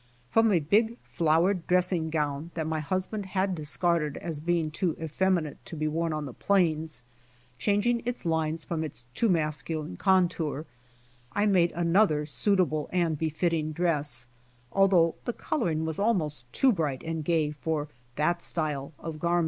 From a big flowered dressing gown that my husband had discarded as being too effeminate to be worn on the plains, changing its lines from its too masculine contour, I made another suitable and befitting dress, although the coloring was almost too bright and gay for that style of garment.